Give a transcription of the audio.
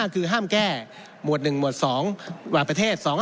๒๕๕คือห้ามแก้หมวด๑หมวด๒ประเภท